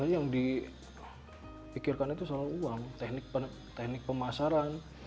yang dipikirkan itu selalu uang teknik pemasaran